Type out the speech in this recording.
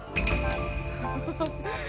ハハハハッ。